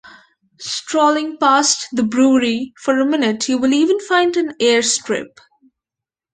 Strolling past the brewery for a minute you will even find an airstrip.